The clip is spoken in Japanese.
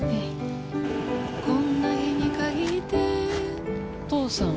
こんな日に限って、お父さん？